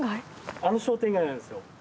あの商店街なんですよ。